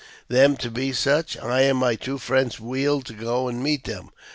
101 them to be such, I and my two friends wheeled to go and meet them.